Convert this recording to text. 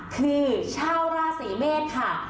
คือชาวราศีเมษค่ะ